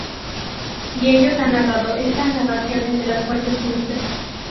Y ellos han narrado esa narración de las fuentes sunitas.